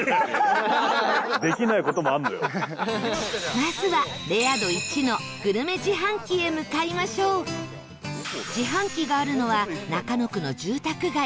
まずは、レア度１のグルメ自販機へ向かいましょう自販機があるのは中野区の住宅街